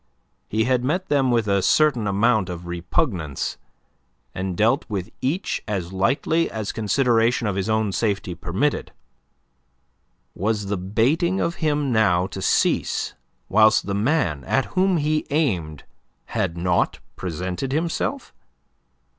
He had met them with a certain amount of repugnance, and dealt with each as lightly as consideration of his own safety permitted. Was the baiting of him now to cease whilst the man at whom he aimed had not presented himself?